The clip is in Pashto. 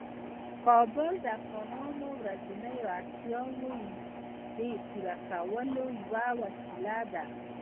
کابل د افغانانو د ورځنیو اړتیاوو د پوره کولو یوه وسیله ده.